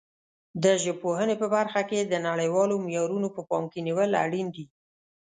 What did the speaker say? د ژبپوهنې په برخه کې د نړیوالو معیارونو په پام کې نیول اړین دي.